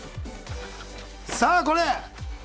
さあこれ！